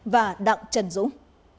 và đặng trần dũng